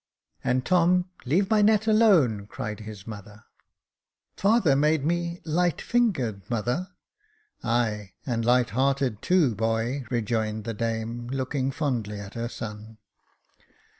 " And Tom, leave my net alone," cried his mother. 312 Jacob Faithful " Father made me light fingered, mother." " Ay, and light hearted too, boy," rejoined the dame, looking fondly at her son.